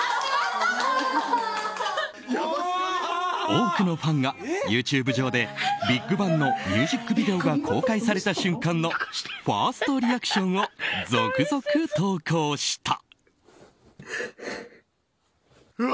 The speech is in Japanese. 多くのファンがＹｏｕＴｕｂｅ上でＢＩＧＢＡＮＧのミュージックビデオが公開された瞬間のファーストリアクションを続々投稿した。